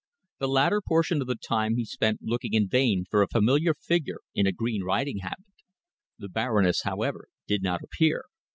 The latter portion of the time he spent looking in vain for a familiar figure in a green riding habit. The Baroness, however, did not appear.